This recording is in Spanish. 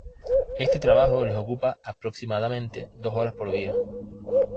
Este trabajo les ocupa aproximadamente dos horas por día.